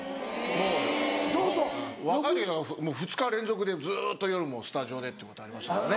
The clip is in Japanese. もう若い時なんか２日連続でずっと夜もうスタジオでってことありましたもんね。